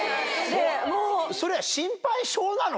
それは心配性なの？